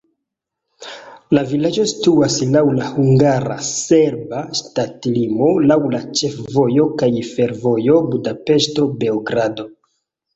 La vilaĝo situas laŭ la hungara-serba ŝtatlimo laŭ la ĉefvojo kaj fervojo Budapeŝto-Beogrado.